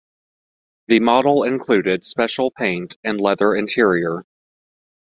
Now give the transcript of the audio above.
The model included special paint and leather interior.